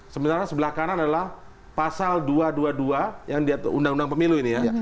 sementara sebelah kanan adalah pasal dua ratus dua puluh dua yang diatur undang undang pemilu ini ya